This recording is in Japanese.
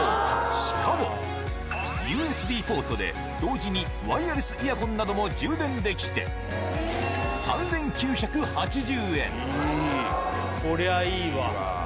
しかも、ＵＳＢポートで同時にワイヤレスイヤホンなども充電できて、これはいいわ。